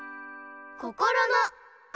こころの「こ」！